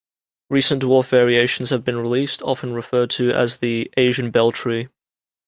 Recent dwarf variations have been released, often referred to as the Asian Bell Tree.